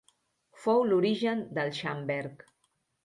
Fou l'origen del xamberg.